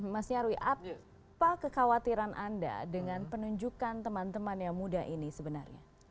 mas nyarwi apa kekhawatiran anda dengan penunjukan teman teman yang muda ini sebenarnya